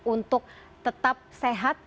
untuk tetap sehat